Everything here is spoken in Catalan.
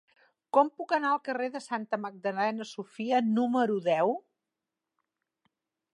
Com puc anar al carrer de Santa Magdalena Sofia número deu?